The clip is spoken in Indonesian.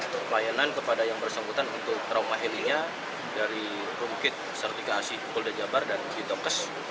pelayanan kepada yang bersembutan untuk trauma helinya dari rungkit sertifikasi irawan jawa barat dan bitokes